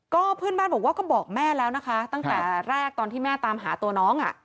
ก็เพื่อนบ้านบอกว่าก็บอกแม่แล้วนะคะตั้งแต่แรกตอนที่แม่ตามหาตัวน้อง